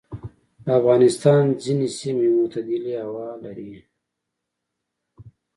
افغانستان ځینې سیمې معتدلې هوا لري.